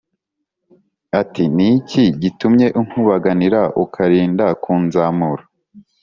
ati “ni iki gitumye unkubaganira ukarinda kunzamura?”